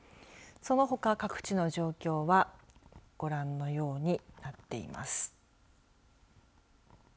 そのほか各地の状況はご覧のようになっています。